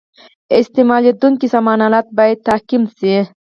استعمالیدونکي سامان آلات باید تعقیم شي.